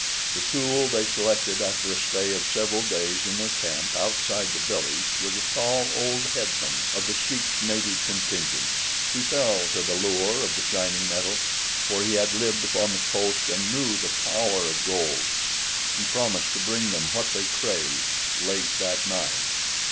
The tool they selected after a stay of several days in their camp outside the village was a tall, old headman of The Sheik's native contingent. He fell to the lure of the shining metal, for he had lived upon the coast and knew the power of gold. He promised to bring them what they craved, late that night.